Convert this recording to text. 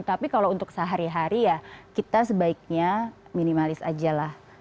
tapi kalau untuk sehari hari ya kita sebaiknya minimalis aja lah